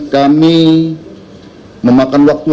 kami memakan waktu